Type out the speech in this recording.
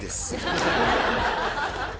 ハハハハ！